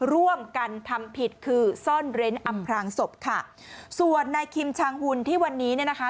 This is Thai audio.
ร่วมกันทำผิดคือซ่อนเร้นอำพลางศพค่ะส่วนนายคิมชางหุ่นที่วันนี้เนี่ยนะคะ